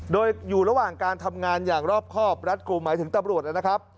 โดยอยู่ระหว่างการทำงานอย่างรอบครอบรัดกลุ่มหมายถึงตำรวจนะครับ